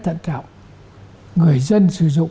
cẩn trọng người dân sử dụng